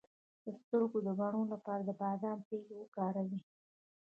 د سترګو د بڼو لپاره د بادام تېل وکاروئ